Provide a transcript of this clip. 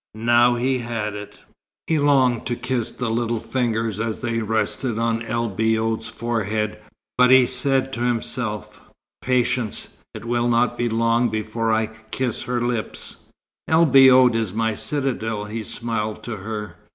Now he had it. He longed to kiss the little fingers as they rested on El Biod's forehead, but he said to himself, "Patience; it will not be long before I kiss her lips." "El Biod is my citadel," he smiled to her.